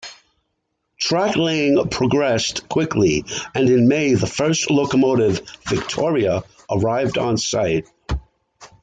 Tracklaying progressed quickly and in May the first locomotive "Victoria" arrived on site.